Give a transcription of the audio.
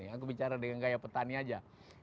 aku bicara dengan gaya petani aja